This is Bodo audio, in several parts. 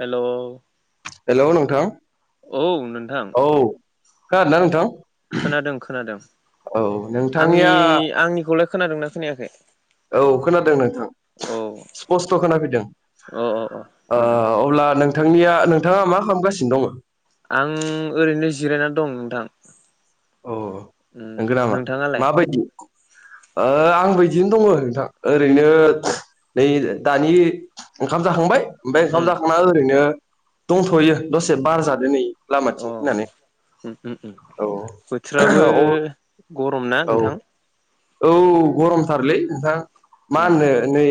हेल' हेल' नोंथां। औ नोंथां। खोना दोंना नोंथां? खोनादों खोनादों औ आंनि नोंथांनिया आंनिखौलाय खोनादोंना खोनायाखै। औ खोनादों नोंथां औ स्पिस्थ' खोनाफैदों। अ अ अ ओ मोजां दे अब्ला नोंथांनिया नोंथाङा मा खामगासिनो दङो। आं ओरैनो जिरायनानै दं नोंथां। उम अ'नोंगो नामा नोंथाङालाय माबायदि ओ आं बिदिनो दङ नोंथां ओरैनो नै दानि ओंखाम जाखांबाय। ओमफाय ओंखाम उम जाखांना ओरैनो दंथ'यो दसे बारजादो नै। अ लामाथिं फैनानै उम उम उम औ। बोथोराबो औ गरम ना औ नोंथां। औ गरमथारलै नोंथां मा उम होनो नै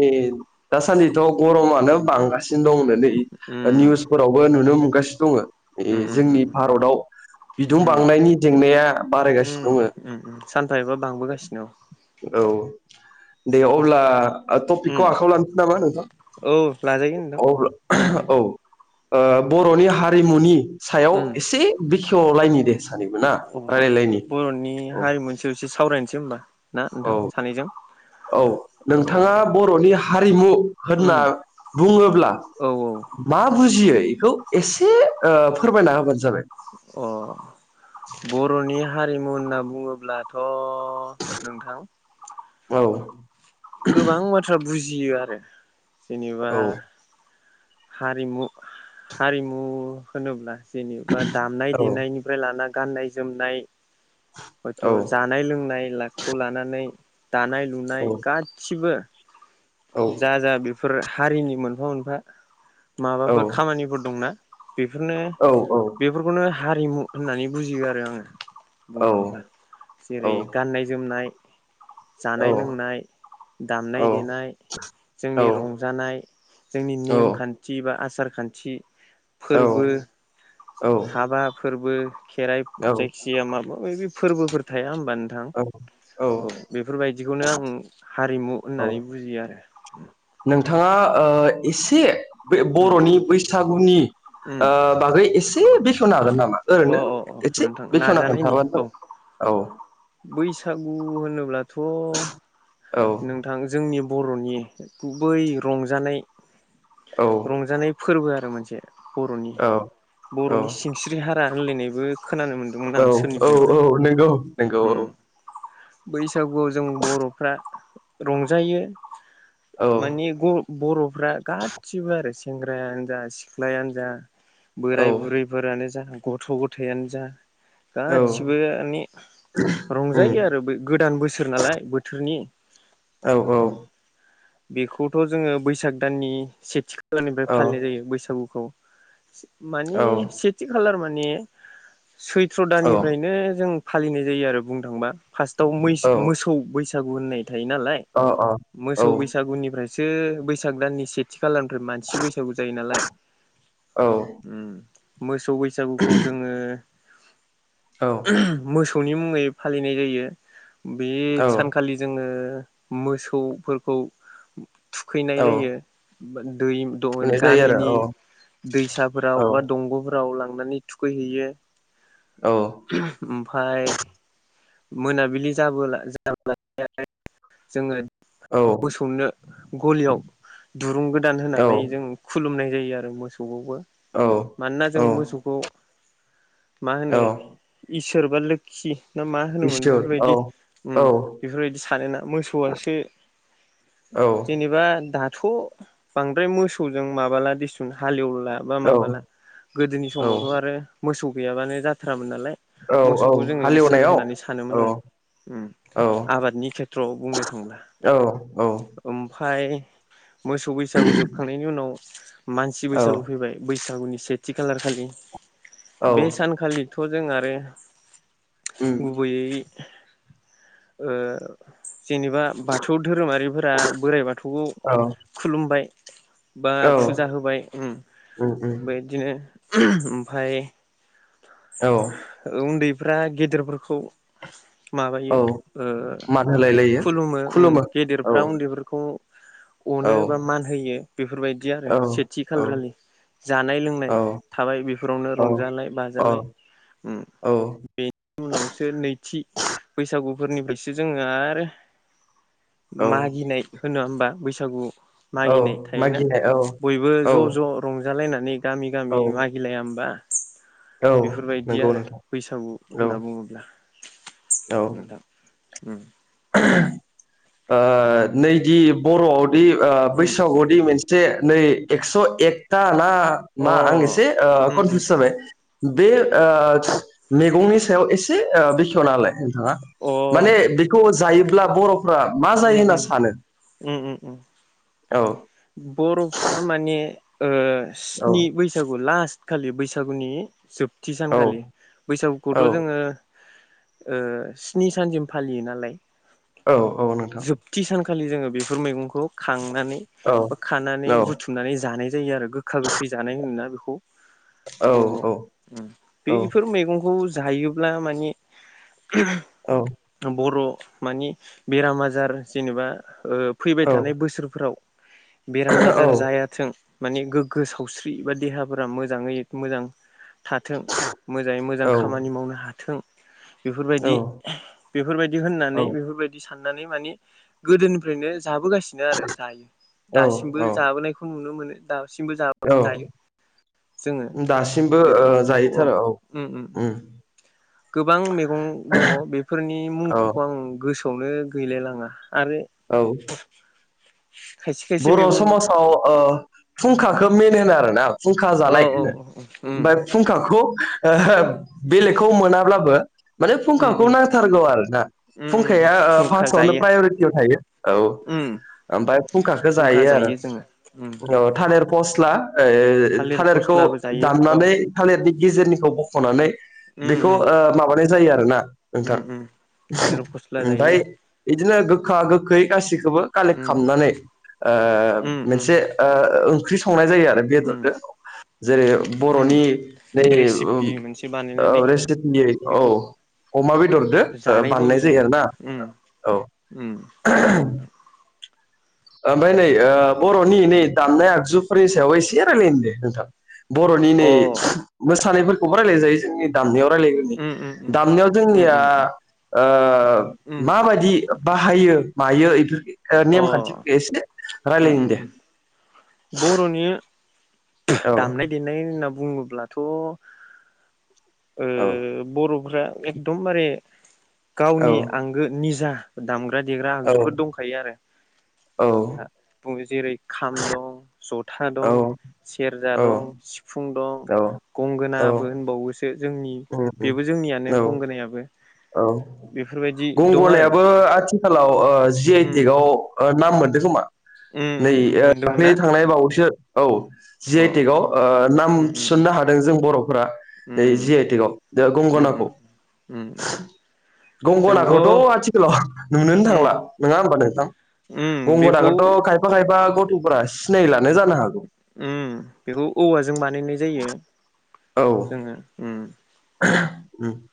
दासान्दिथ' गरमानो बांगासिनो दं नै उम निउसफोरावबो नुनो नुगासिनो दङ उम उम उम जोंनि भारताव बिदुं उम बांनायनि जेंनाया बारायगासिनो उम दङ उम सानफा एफा बांबोगासिनो। औ दे अब्ला औ टपिकखौ उम आखाइयाव लानोसै नामा नोंथां। औ लाजायो नोंथां अब्ला लाजायो औ। ओ बर'नि हारिमुनि सायाव उम एसे बेखेवलायनि दे सानैबो ना रायलायलायनि बर'नि औ हारिमुनिसो सासायावसो एसे सावरायनोसै होमबा ना औ नोंथां सानैजों औ औ नोंथाङा बर'नि हारिमु होनना उम बुङोब्ला औ मा बुजियो इखौ एसे ओ फोरमायना होबानो जाबाय अ' बर'नि हारिमु होनना बुङोब्लाथ' नोंथां औ गोबां बाथ्रा बुजियो आरो जेनेबा औ हारिमु हारिमु होनोब्ला जेनेबा दामनाय औ देनायनिफ्राय लाना गाननाय जोमनाय हयथ' औ जानाय लोंनायलाखौ लानानै दानाय लुनाय औ गासिबो औ जा जा बेफोर हारिनि मोनफा मोनफा औ माबाफोर खामानिफोर दंना? बेफोरनो औ बेफोरखौनो हारिमु होननानै बुजियो आरो आङो औ बुंनांबा औ जेरै' गाननाय जोमनाय जानाय लोंनाय दामनाय देनाय जोंनि रंजानाय जोंनि नेम खान्थि बा आसार खान्थि फोरबो हाबा फोरबो खेराइ औ जायखिजया माबा मायबि फोरबोफोर थाया होमबा नोंथां औ औ बेफोरबायदिखौनो आं हारिमु औ होननानै बुजियो आरो नोंथाङा ओ एसे बे उम बर'नि बैसागुनि उम ओ बागै एसे बेखेवनो हागोन नामा? मा अ ओरैनो अ अ एसे नोंथां बेखवना नाजानायनि खोन्थाबानो औ जाबाय औ बैसागु होनोब्लाथ' औ नोंथां जोंनि बर'नि गुबै रंजानाय औ रंजानाय फोरबो आरो मोनसे बर'नि बर'नि सिनस्रि हारा होनलायनायबो खोनानो औ औ औ नंगौ। नंगौ औ ओम बैसागुआव जों बर'फ्रा रंजायो औ माने ब-बर'फ्रा गाससिबो आरो सेंग्रायानो जा सिख्लायानो जा औ बोराय बुरैफोरानो जा गथ' गथाययानो जा औ गासिबोनि उम रंजायो आरो बे गोदान बोसोर नालाय बोथोरनि औ औ बेखौथ' जोङो बैसाग दाननि सेथि खालनिफ्राय औ फालिनाय जायो बैसागुखौ। मानि सेथि खालार माने सैथ्र' औ दाननिफ्रायनो जों फालिनाय जायो आरो बुंनो थांबा फार्स्टआव मैसो औ अ मोसौ बैसाग सागु होननाय थायो नालाय औ मोसौ बैस फ्रायसो बैसाग दाननि सेथि खालाम मानसि बैसागु जायो नालाय उम मो सौ बैसागुखौ जोङो मोसौनि मुङै फालिनाय जायो बे औ सानखालि जोङो मोसौफोरखौ थुखैनाय औ जायो। दै फुनाय [unintelligible] जायो गामिनि आरो दैसाफोराव औ बा दंग' फ्राव लांनानै थुखैहैयो औ ओमफाय मोनाबिलि जाबोला जाब्ला [unintelligible] जोङो औ। खौनो गलियाव दुरुं गोदान औ होनानै जों खुलुमनाय जायो आरो मोसौखौबो। औ मानोना औ जों मोसौखौ मा औ होनो इसोर बा लोखि ना मा होनोमोन इसोर औ बेफोरबायदि औ ओम बेफोरबायदि सानोना मोसौआसो औ जेनेबा दा थ' बांद्राय मोसौजों माबाला दिसुन हालेव ला बा औ माबाला गोदोनि समावथ' आरो मोसौ गैयाबानो जाथारामोन नालाय औ औ मोसौखौ जोङो इसोर हालेवनायाव होननानै औ सानोमोन ओं ओम औ आबादनि खेथ्रआव बुंनो थांला औ औ ओमफफाय मोसौ बैसागु जोबखांनायनि उनाव मानसि औ बैसागु फैबाय बैसागुनि सेथि खालारखालि बे औ सानखालि जों आरो उम गुबैयै ओ जेनेबा थौ धोरोमारिफोरा बोराइ बाथौखौ औ खुलुमबाय। बा औ फुजा होबाय ओम उम उम बेदिनो ओहोम ओमफ्राय औ उन्दैफ्रा गेदेरफोरखौ माबायो औ ओ मान होलाय लायो खुलुमो ओम औ गेदेरफ्रा उन्दैफोरखौ औ अनो बा मान होयो बेफोरबायदि आरो औ सेथि औ खालार खालि। जानाय-लोंनाय थाबाय बेफोरावनो औ रंजालाय-बाजालाय। ओम बेनि उनावसो नैथि बैसा गुफोरनिफ्रायसो जोङो आरो औ मागिनाय होना होमबा बैसागु औ मागिनाय थायोना। मागिनाय औ बयबो औ ज' ज' रंजालायना औ गामि-गामि मागिलाया होमबा औ बेफोरबायदि नंगौ आरो नोंथां बैसागु औ होनना बुङोब्ला। औ नोंथां उम ओहोम- ओ नैदि बर'आवदि ओ उम बैसागुदि मोनसे जे नै एक्स' एकथा ना अ मा आं एसे ओ उम उम कनफिउस जाबाय बे ओ मैगंनि सायाव एसे ओ बेखेवना होलाय मा अ माने- बेखौ जायोब्ला बर' मा जायो उम उम होनना सानो उम उम उम औ बर'फ्रा माने ओ औ स्नि बैसागु लास्ट खालि बैसागुनि जोबथि औ सानखालि औ बैसागुखौथ' जोङो स्नि सानसिम फालियो नालाय औ औ नोंथां खालि जोङो बेफोर मैगंखौ खांनानै औ बा खानानै औ बुथुमनानै जानाय जायो आरो गोखा-गोखै जानाय होनोना बेखौ। औ बर'आव औ ओम औ बेफोर मैगंखौ हायोब्ला माने औ ओम बर' मानि बेराम आजार जेनेबा ओ फैबाय औ थानाय बोसोरफोराव बेराम आजार जायाथों माने गोग्गो सावस्रि बा देहाफोरा मोजाङै मोजां थाथों मोजाङै मोजां खामानि औ मावनो हाथों। बेफोरबायदि एहे बेफोरबायदि होननानै औ बेफोरबायदि साननानै माने गोदोनिफ्रायनो जाबोगासिनो आरो जायो दासिमबो औ जाबोनायखौ नुनो मोनो दा सिमबो जाबो औ जायो। जोङो दासिमबो ओ बेफोर मैगंखौ जायोथर' औ उम उम उम ओम गोबां मैगं दङ बेफोरनि औ मुंफोरखौ आं गोसोआवनो गैलायलाङा आरो औ खायसे खायसे बर' मैगं समाजाव ओ खुंखाखौ मेन होनो आरो ना? खुंखा औ जानाय औ होनो औ उम ओमफ्राय खुंखाखौ- ओहोम बेलेगखौ मोनाब्लाबो माने उम उम खुंखाखौ नांथारगौ आरो ना? उम उम खुंखाया खुंखा फार्स्टआवनो जायो प्रायरिटियाव थायो औ उम ओमफ्राय फुंखखो खुंखा जायो आरो जोङो उम औ थालिर फस्ला ओ थालिर थालिरखौ फस्लाबो जायो औ दामनानै थालिरनि गेजेरनिखौ बख'नानै उम बेखौ उम ओ माबोरै जायो आरो ना उम नोंथां उम [unintelligible] थालिर फस्ला ओमफाय जायो इदिनो गोग्खा गोग्खै गसि बो कालेक उम खामनानै ओ उम उम मोनसे ओ संनाय जायो आरो उम बेदरखो। जेरै बर'नि उम बे ओम रेसिपि मोनसे बानायनानै ओब रेसिपियै औ बेखौ अमा बेदरदो ओ बाननाय जायो आरो ना ओम, नोंगौ नोंथां। ओमफाय नै ओ बर'नि नै दामनाय आगजुफोरनि सायाव एसे रायलानि दे नोंथां। बर'नि नै अ मोसानायफोरखौबो रायलाय जायो जोंनि दामनायाव रायलायग्रोनि उम उम दामनायाव उम जोंनिया उम उम ओ उम माबायदि बाहायो मायो [unintelligible] नेमखान्थि ओम ओम ओम बर'नि [unintelligible] औ दामनाय देनाय होनना बुङोब्लाथ' ओ औ बर'फ्रा एकदमबारे औ गावनि आंगो निजा दामग देग्रा देग्रा औ आगजुफोर दंखायो आरो औ जोंहा जेरै खाम दं जथ था औ दं सेरजा दं औ सिफुं दं औ औ गंगोनाबो होनबावोसो। जोंनि उम उम बेबो जोंनियानो औ गंगोनायाबो । औ आरो गंगनायाबो आथि आखालाव ओ जि उम आइटिकव नाम मोनदों खोमा? उम नै उम उम ओ मोनदोंमोन दाख्लै ना थांनाय बावैसो औ जि अ आइटेकव ओ नाम उम उम थिसननो हादों जों बर'फोरा। दै उम जि आइ टेक आव जाहा उम गंगनाखौ उम उम जोंथ' गंगनाखौथ' आथिखालाव नुनोनो उम थांला नङा होमबा नोंथां? उम बेखौ गंगनाखौथ' खायफा खायफा गथ'फोरा सिनायला ओम बेखौ औवाजों बानायनाय जायो। जोङो ओम। [unintelligible]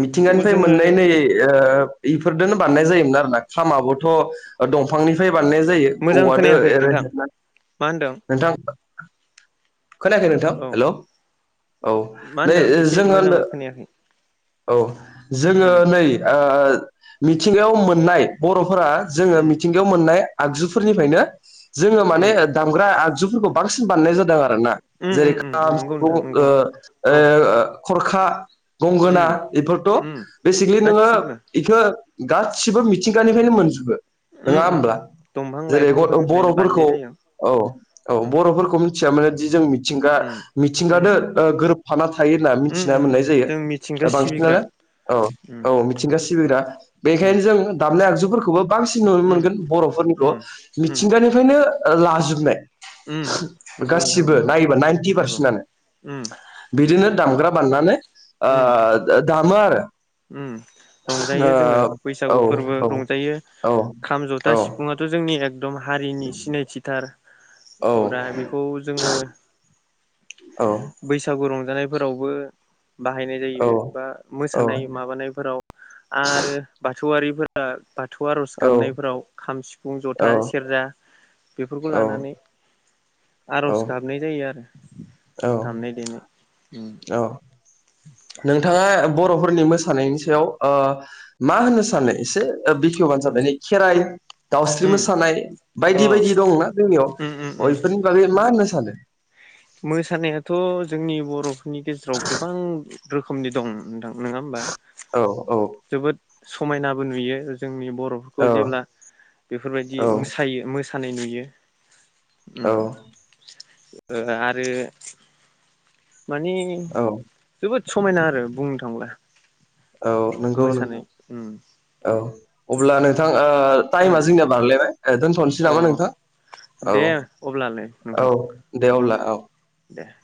मिथिंगानिफाय जोङो मोननाय नै ओ इफोरदोनोंनो बानायनाय जायोमोन आरोना खामाबोथ' दंफांनिफाय बानायनाय जायो मोजां औवादो खोनायाखै एरै नोंथां मा होनदों नोंथां। खोनायाखै नोंथां औ हेल' औ मा नै होनदों ओ एसे जोङो मोजां खोनायाखै [unintelligible] औ जोङो उम नै ओ मिथिंगायाव मोननाय बर'फोरा जोङो उम मिथिंगायाव मोननाय आगजुफोरनिफायनो जोङो माने उम दामग्रा आगजुफोरखौ बांसिन बानायनाय जादों आरो न आरोना उम जेरै उम उम खाम नंगौ सिफुं नोंथां नंगौ ओ आ औ खरखा। गंगोना उम बेफोरथ' उम बेसिकेलि नोङो गासिबो इखो गासिबो मिथिंगानिफ्रायनो मोनजोबो उम नङा उम होमब्ला? उम दंफां जेरै लाइफांफोरनिफ्रायनो बानायनाय बर'फोरखौ जायो औ औ उम बर'फोरखौ मिथिया माने जि जों मिथिंगा उम मिथिंगादो गोरोबफाना थायो। होनना मिथिना मोननाय ओम जायो जों मि बांसिनानो औ औ मिथिंगा सिबिग्रा उम बेनिखायनो जों दामनाय आगजु फोरखौबो बांसिन नुनो उम मोनगोन बर'फोरनिखौ उम उम मिथिंगानिफ्रायनो लाजोबनाय उम नंगौ नोंथां गासिबो नंगौ नायोबा नाइन्टि नंगौ पारसेन्टनो उम बिदिनो दामग्रा बाननानै ओ उम दामो आरो। उम रंजायो जोङो ओ बैसागु फोरबो रंजायो औ खाम जथा सिफुंआथ' जोंनि ए एकदम हारिनि सिनायथिथार औ गुरा बेखौ जोङो औ बैसागु रंजानायफोरावबो बाहायनाय औ जायो बा औ मोसानाय माबानायफोराव आरो ब बाथौआरिफोरा बाथौ आर'ज औ गाबनायफोराव खाम सिफुं औ जथा सेरजा बेफोरखौ लानानै आर'ज गाबनाय जायो आरो। औ दामनाय देनाय उम औ। नोंथाङा बर'फोरनि मोसानायनि सायाव ओ मा होननो सानो एसे बिखेव? [unintelligible] खेराय दाउस्रि उम मोसानाय अ बायदि बायदि दंना जोंनियाव उम उम उम बफोरनि बागै मा होननो सानो? मोसानायाथ' जोंनि बर'फोरनि गेजेराव गोबां रोखोमनि दं ‌। नङा होमबा औ औ जोबोद समायनाबो नुयो जोंनि बर'फोरखौ औ जेब्ला औ बेफोरबायदि मोसायो मोसानाय नुयो औ [inaudible] आरो मानि औ जोबोद समायना आरो बुंनो थांब्ला । औ नंगौ नों औ अब्ला नोंथां टाइमा उम जोंनिया बारलायबाय दोन्थ'नोसै अ नामा नोंथां औ दे अब्लालाय । औ नोंथां दे अब्ला औ । दे ।